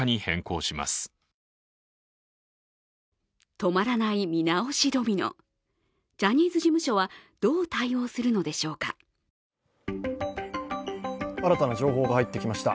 止まらない見直しドミノ、ジャニーズ事務所はどう対応するのでしょうか新たな情報が入ってきました。